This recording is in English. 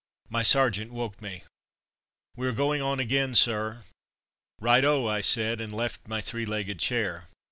My sergeant woke me. "We are going on again, sir!" "Right oh!" I said, and left my three legged chair.